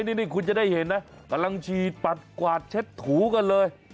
นี่คุณจะได้เห็นนะกำลังฉีดปัดกวาดเช็ดถูกันเลย